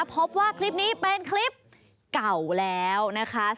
พบว่าคลิปนี้เป็นคลิปเก่าแล้วนะคะ